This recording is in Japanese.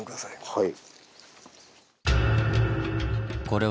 はい。